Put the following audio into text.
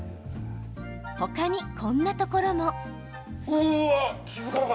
他に、こんなところも。